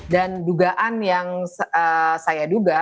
dan dugaan yang saya duga